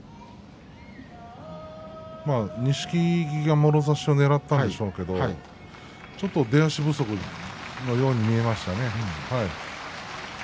錦木が、もろ差しをねらったんでしょうけどちょっと出足不足のように見えましたね。